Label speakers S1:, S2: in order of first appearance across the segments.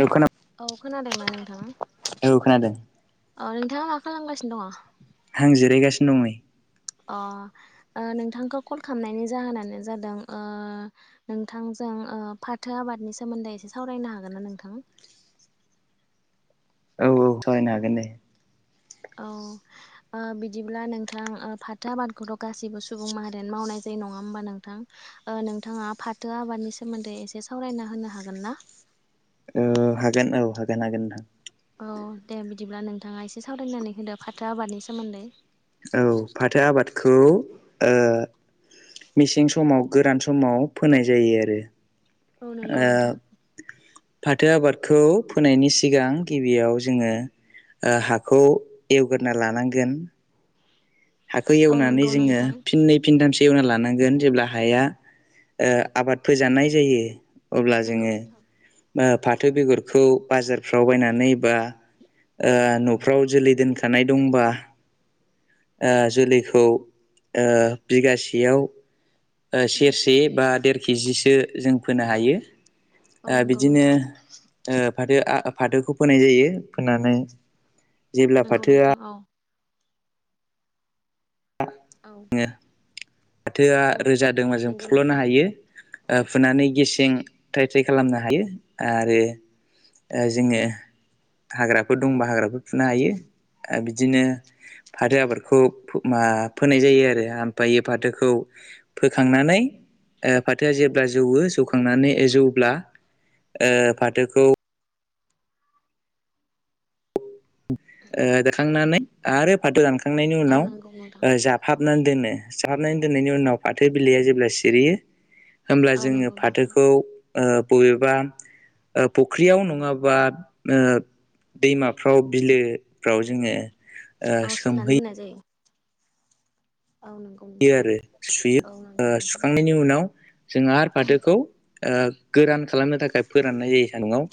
S1: औ खोना
S2: औ खोनादोंना नोंथाङा औ नोंथ थाङा मा खालामगासिनो दङ?
S1: हां जिरायगासिनो दं नै।
S2: अ नोंथांखौ ओ कल खालामनायनि जाहोनानो जादों ओ नोंथांजों फाथो आबादनि सोमोन्दै एसे सावरायनो हागोन ना नोंथां?
S1: औ औ सावरायनो हागोन दे।
S2: औ ओ बिदिब्ला नोंथां फाथो आबादखौथ' गासैबो सुबुं माहारियानो मावनाय जायो। नङा ओमबा नोंथां ओ नोंथाङा फाथो आबादनि सोमोन्दै एसे सावरायना होनो हागोन ना?
S1: ओ हागोन औ हागोन हागोन नोंथां।
S2: औ दे बिदिब्ला नोंथाङा एसे सावरायनानै होदो फाथो आबादनि सोमोन्दै।
S1: औ फाथो आबादखौ ओ मेसें समाव गोरान समाव फोनाय जायो आरो
S2: औ नोंगौ
S1: ओ
S2: नोंथां।
S1: फाथो आबादखौ फोनायनि सिगां गिबियाव जोङो ओ हाखौ एवग्रोना लानांगोन। हाखौ
S2: औ
S1: एवनानै
S2: नंगौ
S1: जोङो
S2: नोंथां
S1: फिननै फिनथाम सि एवना लानांगोन जेब्ला हाया ओ आबाद फोजानाय जायो। अब्ला
S2: नंगौ
S1: जोङो
S2: नोंथां
S1: फाथो बेगरखौ बाजारफ्राव बायनानै बा ओ न'फ्राव जोलै दोनखानाय दंबा ओ जोलैखौ ओ बिगासेयाव ओ सेरसे बा देर केजिसो जों फोनो हायो।
S2: औ
S1: ओ
S2: नंगौ
S1: बिदिनो
S2: नोंथां
S1: फाथो फाथोखौ फोनाय जायो फोननानै
S2: नंगौ नोंथां औ औ
S1: फाथोआ
S2: औ
S1: रोजादोंबा जों
S2: नंगौ
S1: फुख्ल'नो
S2: नोंथां।
S1: हायो। फुनानै गेसें थ्राइ थाय खालामनो हायो आरो जोङो हाग्राफोर दंबा हाग्राफोर फुनो हायो आरो बिदिनो फाथो आबादखौ मा? फोनाय जायो आरो आमफाय फाथोखौ फोखांनानै ओ फाथोआ जेब्ला जौवो जौखांनानै जौब्ला ओ फाथोखौ। देखांनानै आरो फाथो दानखांनायनि
S2: औ
S1: उनाव
S2: नंगौ नोंथां
S1: जाफाबनानै दोनो। साहारनानै दोननायनि उनाव फाथो बिलाइया जेब्ला सिरियो होमब्ला
S2: औ
S1: जोङो
S2: नंगौ नोंथां
S1: फाथोखौ ओ बबेबा फख्रियाव नङाबा ओ दैमा फाव बिलोफ्राव जोङो ओ
S2: औ सोमनानै
S1: सोमहैयो
S2: दोन्नाय जायो। औ नंगौ
S1: यो
S2: नोंथां।
S1: आरो सुयो
S2: औ
S1: ओ
S2: नंगौ नोंथां
S1: सुखांनायनि उनाव जोंङो आरो फाथोखौ ओ गोरान खालामनो थाखाय फोराननाय जायो सानदुङाव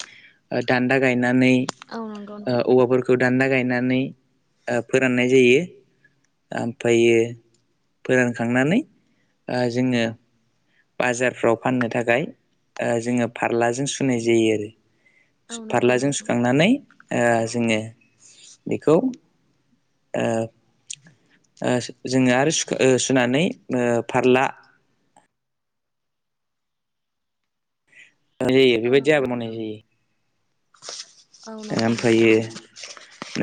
S1: दान्द गाय नानै
S2: औ नंगौ नोंथां
S1: ओ औवाफोरखौ दान्दा गायनानै फोराननाय जायो ओमफ्रायो फोरानखांनानै ओ जोङो बाजारफ्राव फाननो थाखाय ओ जोङो फारलाजों सुनाय जायो आरो
S2: औ नंगौ
S1: फारलाजों
S2: नोंथां
S1: सुखांनानै ओ जोङो बेखौ ओ ओ जोङो आरो सुनानै ओ फारला
S2: औ
S1: बेबायदि
S2: नंगौ
S1: आबाद मावनाय
S2: नोंथां।
S1: जायो
S2: औ नंगौ नोंथां
S1: ओमफ्रायो
S2: औ।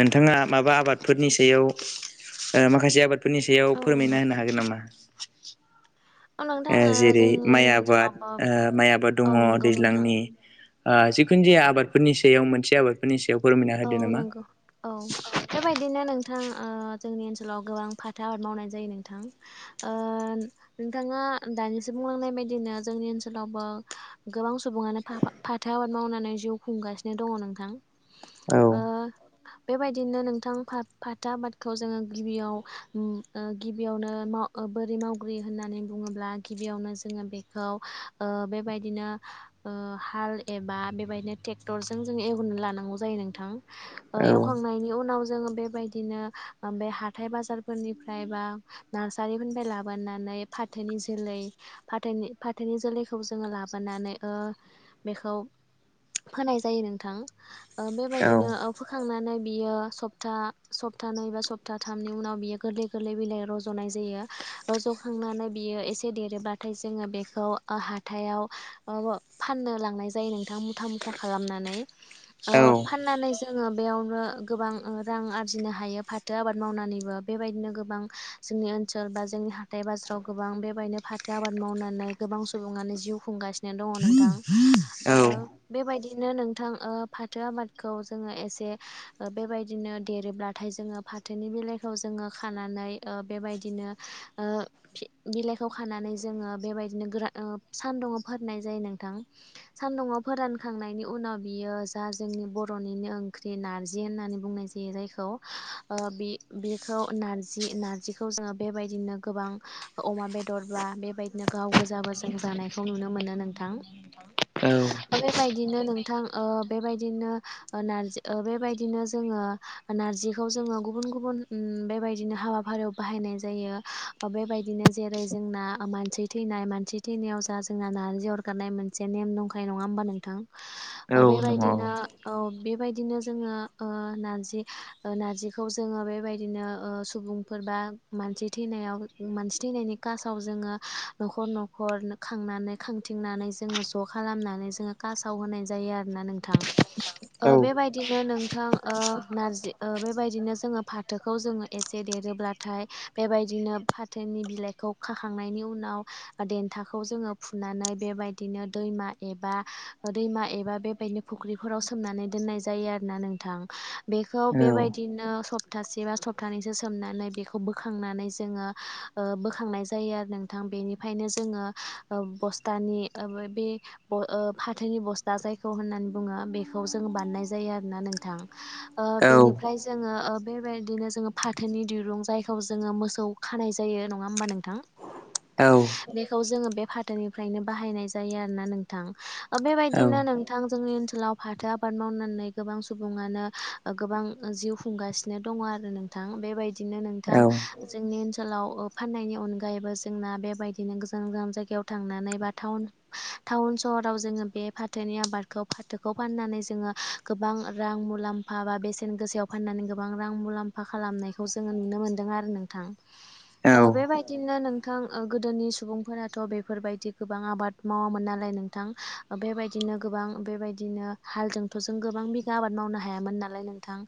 S1: नोंथाङा माबा आबादफोरनि सायाव माखासे आबाद बे फोरफोरनि सायाव
S2: औ
S1: फोरमायना होनो हागोन नामा?
S2: औ नोंथां
S1: ओ जेरै
S2: जोंनि
S1: माइ आबाद
S2: ओनसोलावबो
S1: ओ माइ आबाद
S2: औ
S1: दङ
S2: नंगौ नोंथां
S1: दैज्लांनि ओ जिखुनु जाया आबादफोरनि सायाव मोनसे आबादफोरनि सायाव फोरमायना
S2: औ
S1: होदो नामा?
S2: नंगौ औ बेबायदिनो नों नोंथां जोंनि ओनसोलाव गोबां फाथो आबाद मावनाय जायो नोंथां नोंथाङा दानिसो बुंलांनाय बायदिनो जोंनि ओनसोलावबो गोबां सुबंङानो फाथो आबाद मावनानै जिउ खुंगासिनो दङ नोंथां ओ
S1: औ
S2: बेबायदिनो नोंथां फाथो आबादखौ जोङो गिबियाव गिबियावनो मा बोरि मावग्रि होननानै बुङोब्ला गिबियावनो जोङो बेखौ ओ बेबायदिनो हाल एबा बेबायदिनो ट्रेक्टरजों जों एवग्रोनानै लानांगौ जायो नों थां ओ एवखांनायनि उनाव जोङो बेबायदिनो बे हाथाय बाजारफोरनि ना नारसारिफोरनिफ्राय लाबोनानै फाथोनि जोलै फाथोनि जाथोनि जोलैखौ जों लाबोनानै ओ बेखौ फोनाय जायो नोंथां ओ बेबादिनो बिदिनो ओ फोखांनानै बियो सप्ता सप्ताानै बा सप्तााथामनि उनाव बियो गोरलै गोरलै बिलाइ रज'नाय जायो रजखांनानै बियो एसे देरोब्लाथाय जोङो बेखौ हाथायाव फाननो लांनाय जायो नोंथां मुथा मुथा खालामनानै फाननानै जोंङो बेयावनो गोबां रां आरजिनो हायो फाथो आबाद मावनानैबो बेबायदिनो गोब गोबां जोंनि ओनसोल बा जोंनि हाथाय बाजाराव गोबां बेबायदिनो फाथो आबाद मावनानै गोबां सुबुङा जिउ खुंगासिनो दङ नोंथां बेबायदिनो नोंथां फाथो आबाद खौ जोङो एसे ओ बेबायदिनो देरोब्लाथाय जोङो फाथोनि बिलाइखौ जोङो खानानै बेबायदिनो ओ बिलाइखौ खानानै जोङो बेबायदिनो गोरा सान्दुुङाव फोराननाय जायो नोंथां सान्दुङाव फोरानखांनायनि उनाव बियो जा जोंनि बर' र'निनि ओंख्रि नारजि होननानै बुंनाय जायो जायखौ बेखौ नारजि नारजिखौ जो बेबायदिनो गोबां अमा बेदर बा बेबायदिनो गाव गोजाबो जों जानाय नुनो मोनो नोंथां बेबायदिनो नोंथां ओ बेबायदिनो ओ नारजि ओ बेबायदिनो जोङो नारजिखौ जोङो गुबुन गुबुन उम बेबायदिनो हाबाफारियाव बाहायनाय जायो बेबायदिनो जेरै जोंना मानसि थैनाय मानसि थैनायाव जा जोंना नारजि अरगारनाय मोनसे नेम दंखायो नङा होमबा नोंथां बेबायदिनो औ बेबायदिनो जोङो ओ नारजि नारजिखौ जोङो बेबायदिनो ओ सुबुं मोनबा मानसि थैनायाव थैनायनि खासाव जोङो नखर नखर मानानै खांथिंनानै जोङो ज' खालामनानै जोङो कास आाव होनाय जायो आरोना नोंथां। बेबायदिनो नोंथां नारजि बेबायदिनो जोंङो फाथोखौ जोंङो एसे देर होब्लाथाय बेबायदिनो फाथोनि बिलाइखौ खाखांनायनि उनाव देथाखौ जों फुनानै बेबादिनो दैमा एबा दैमा एबा बेबादि फुख्रिफोराव सो सोमनानै दोननाय जायो आरोना नोंथां बेखौ बेबायदिनो सप्तासे बा सप्तानैसो सोम हानानै बेखौ बोखांनानै जोङो बोखांनाय जायो आरो नोंथां बेनिफ्रायनो जोङो ओ बस्थानि ओ बे ब ओ फाथोनि बस्था जायखौ होननानै बुङो बे बे खौ जों बानायनाय जायो आरोोना नोंथां बेनिफ्राय जोङो ओ बेबायदिनो जोङो फाथोनि दिरुं जायखौ जोङो मोसौ खानाय जायो नङा होमबा नोंथां? बेखौ जोङो बे फाथोनिफ्रायनो बाहायनाय जायो आरोना नोंथां बेबायदिनो नोंथां जोंनि ओनसोलाव फाथो आबाद मावनानै गोबां सुबुङानो गोबां जिउ खुंगासिनो दंङ आरो नोंथां बेबायदिनो नोंथां जोंनि ओनसोलाव ओ फाननायनि अनगायैबो जोंना बेबायदिनो गोजान जायाव थांनानै बा टावन सहराव जोङो बे फाथोनि आबादखौ फाथो खौ फाननानै जोंङो गोबां रां मुलाम्फा बा बेसेन गोसायाव फाननानै गोबां रां मुलाम्फा खालाम खालामनायखौ जोङो नुनो मोन्दों आरो नोंथां। बेबायदिनो नोंथां गोदोनि सुबुंफोराथ' बेफोरबायदि गोबां आबाद मावामोन नालाय नोंथां बेबायदिनो गोबां बेबाय बिदिनो हालजोंथ' जों गोबां बिगा आबाद मावनो हायामोन नालाय नोंथां।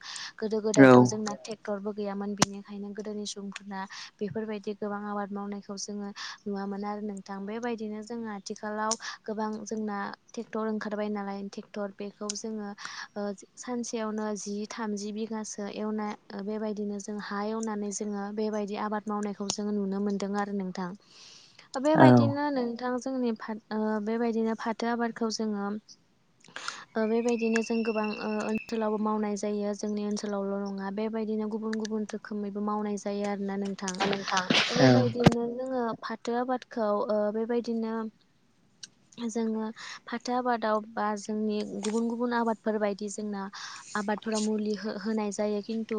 S2: गोदो गोदायथ' जोंना ट्रेक्टरबो गैयामोन बिनिखायनो गोदोनि सुबुंफोरना बेफोरबायदि गोबां आबाद मावनायखौ जोङो नुवामोन आरो। नोंथां बेबायदिनो जों आथिखालाव गोबां जोंना ट्रेक्टर ओंखारबाय नालाय टेक्टर बेखौ जोङो ओ सानसेयावनो जि थामजि बिगासो एवनाय ओ। बेबायदिनो जों हा एवनानै जोङो बेबायदि आबाद मावनायखौ जोङो नुनो मोनदों आरो नोंथां। बेबायदिनो नोंथां जोंनि बेबायदिनो फाथो आबादखौ जोङो [inaudible] ओ बेबायदिनो जों गोबां ओ ओनसोलावबो मावनाय जायो जोंनि ओनसोलावल' नङा बेबायदिनो गुबुन गुबुन रोखोमैबो मावनाय जायो आरोना नोंथां बेबायदिनो जोङो फाथो आबादखौ औ ओ बेबायदिनो जोङो फाथो आबादाव बा जोंनि गुबुन गुबुन आबादफोर बायदि जोंना आबादफोराव मुलि होनाय जायो खिन्थु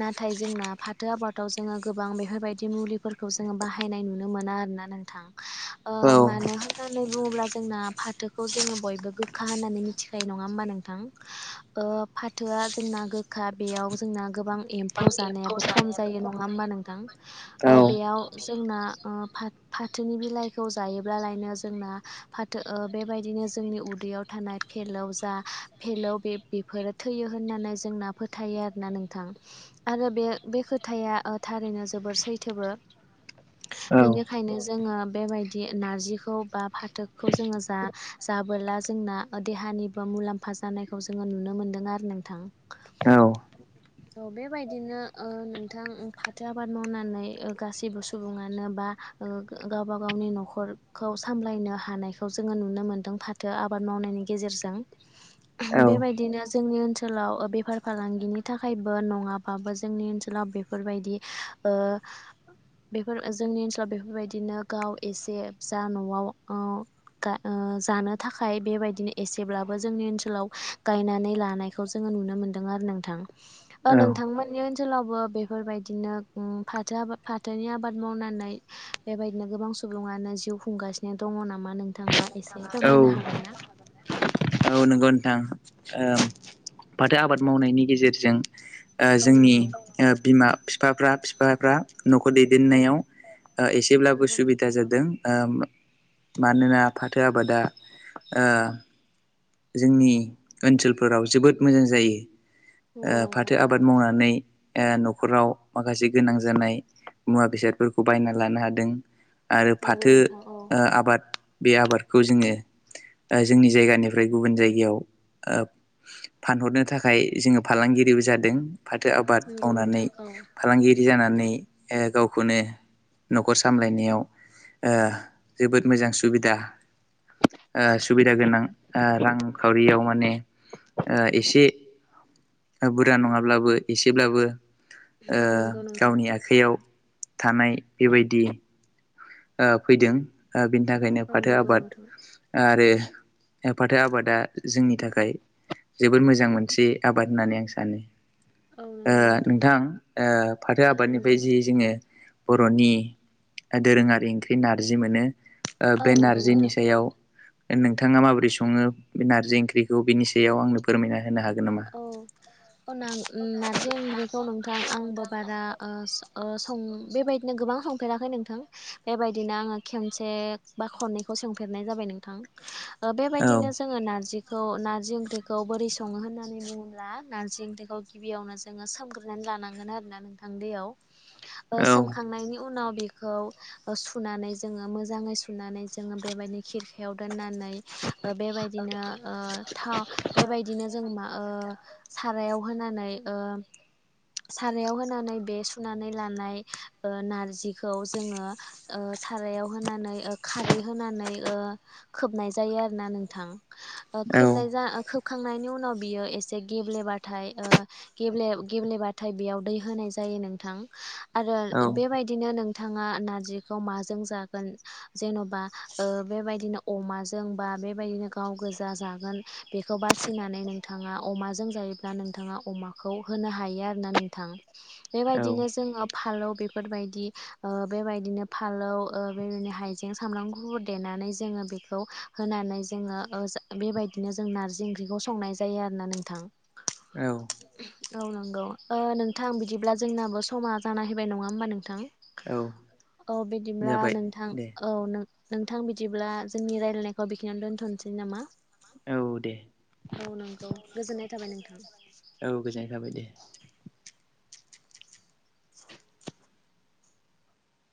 S2: नाथाय जोंना फाथो आबादाव जोङो गोबां बेफोरबायदि मुलिफोरखौ जोङो बाहायनाय नुनो मोनो ना आरोना नोंथां मानो होननानै बुङोब्ला जोंना फाथोखौ जोङो बयबो गोख गोखा होननानै मिथिखायो नङा होमबा नोंथां फाथोआ जोंना गोखा बेयाव जोंना गोबां एम्फौ जानायाबो खम जायो नङा होमबा नोंथां बेयाव जोंना फाथोनि बिलाइखौ जायोब्लालायनो जोंना फाथो बेबायदिनो जोंनि उदैयाव। थानाय फेलौ जा फेलौ बे बेफोरो थैयो होननानै जोंना फोथायो आरोना नोंथां आरो बे बे खोथाया थारैनो जोबोर सैथोबो। बेनिखायनो जोङो बेबायदि नारजिखौ बा फाथोखौ जोङो जा जाबोला जोंना देहानिबो मुलाम्फा जानायखौ जोङो नुनो मोनदों आरो नोंथां
S1: द।
S2: औ बेबायदिनो नोंथां फाथो आबाद मावनानै गासैबो सुबुङानो बा गावबा गावनि न'खरखौ सामलायनो हानायखौ जोङो नुनो मोनदों फाथो आबाद मावनायनि गेजेरजों बेबायदिनो जोंनि ओनसोलाव बेफार फालांगिनि थाखायबो नङाबाबो जोंनि ओनसोलाव बेफोरबायदि ओ। बेफोर जोंनि ओनसोलाव बेफोरबायदिनो गाव एसे जा न'आव जानो थाखाय बेबायदिनो एसेब्लाबो जोंनि ओनसोलाव गायनानै लानायखौ जोङो नुनो मोन्दों आरो नोंथां। नोंथांमोननि ओनसोलावबो बेफोरबायदिनो उ फाथो आाद फाथोनि आबाद मावनानै बेबायदिनो गोबां। सुबुङानो जिउ खुंगासिनो दंङ नामा नोंथाङा एसे फोरमायनो हागोन ना।
S1: औ नंगौ नोंथां फाथो आबाद मावनायनि गेजेरजों ओ
S2: औ
S1: जोंनि
S2: नंगौ
S1: बिमा फिफाफ्रा फिफाफ्रा न'खर
S2: औ
S1: दैदेननायाव एसेब्लाबो
S2: नंगौ
S1: सुबिदा जादों मानोना फाथो आबादा ओ जोंनि ओनसोलफोराव जोबोद मोजां जायो।
S2: नोंथां
S1: फाथो आबाद मावनानै न'खराव माखासे गोनां जानाय मुवा बेसादफोरखौ बायना लानो हादों। आरो
S2: नंगौ
S1: फाथो
S2: नोंथां औ
S1: आबाद बे आबादखौ जोङो जोंनि जायगानि ओमफ्राय गुबुन जायगायाव फानहरनो थाखाय जोङो फालांगिरिबो जादों। फाथो आबाद
S2: नंगौ
S1: मावनानै
S2: नोंथां औ
S1: फालांगिरि जानानै गावखौनो न'खर सामलायनायाव जोबोद मोजां सुबिदा। सुबिदा गोनां। ओ रांखावरियाव माने एसे ओ बुरजा नङाब्लाबो एसेब्लाबो ओ
S2: नंगौ नोंथां
S1: गावनि आखाइयाव थानाय बेबायदि ओ फैदों बिनि थाखायनो
S2: औ औ
S1: फाथो
S2: नंगौ नोंथां औ नंगौ
S1: आबाद
S2: नोंथां
S1: आरो। फाथो आबादा जोंनि थाखाय जोबोद मोजां मोनसे आबाद होननानै आं सानो।
S2: औ
S1: ओ
S2: नंगौ
S1: नोंथां ओ फाथो
S2: औ नंगौ
S1: आबादनिफ्राय जि जोङो बर'नि दोरोङारि ओंख्रि नारजि मोनो। ओ
S2: औ
S1: बे
S2: नंगौ
S1: नारजिनि
S2: नोंथां
S1: सायाव नोंथाङा माबोरै सङो बे नारजि ओंख्रिखौ बिनि सायाव आंनो फोरमायना होनो हागोन। नामा?
S2: औ औ नां-नारजि ओंख्रिखौ नोंथां आंबो बारा स बेबायदिनो गोबां संफेराखै नोंथां बेबायदिनो आङो खनसे बा खननैखौ सोंफेरनाय जाबाय नोंथां
S1: औ
S2: बेबायदिनो जोङो नारजिखौ नारजि ओंख्रिखौ बोरै सङो होननानै बुङोब्ला नारजि ओंख्रिखौ गिबियावनो जोङो सोमग्रोनानै लानांगोन आरोना नोंथां दैयाव ओ
S1: औ
S2: सोमखांनायनि उनाव बेखौ सुनानै जोङो मोजाङै सुनानै जोङो बेबायदिनो खिरखायाव दोननानै। बेबायदिनो ओ था बेबायदिनो जों ना ओ सारायाव होनानै ओ सारायाव होनानै बे सुनानै लानाय नारजिखौ जोङो सारायाव होनानै खारै होनानै ओ खोबनाय जायो आरोना नोंथां।
S1: औ
S2: खोबनाय जा खोबखांनायनि उनाव बियो एसे गेब्लेबाथाय ओ गेब्ले गेब्लेबाथाय बेयाव दै होनाय जायो नोंथां। आरो
S1: औ
S2: बेबायदिनो नों बिथाङा नार्जिखौ माजों जागोन जेन'बा बेबायदिनो अमाजों बा बेबायदिनो गाव गोजा जागोन बेखौ बासिनानै नों नोंथाङा अमाजों जायोब्ला नोंथा अमाखौ होनो हायो आरोना नोंथां
S1: औ
S2: बेबायदिनो जों जोङो फालौ बेफोरबायदि ओ बेबायदिनो फालौ ओ बेदिनो हायजें सामब्राम गुुफुर देनानै जोङो बेखौ होनानै जोङो ओ बेबायदिनो जों नारजि ओंख्रिखौ संनाय ज जायो आरोना नोंथां।
S1: औ
S2: औ नंगौ नोंथां बिदिब्ला जोंनाबो समा जाना फैबाय नङा होमबा नोंथां।
S1: औ
S2: औ बिदिब्ला
S1: जाबाय
S2: नोंथां
S1: दे
S2: औ नों नोंथां बिदिब्ला जोंनि रायजलायनायखौ बेखिनो दोन्थ'नोसै नामा।
S1: औ दे।
S2: औ नंगौ गोजोननाय थाबाय नोंथां।
S1: औ गोजोननाय थाबाय दे।
S2: [inaudible]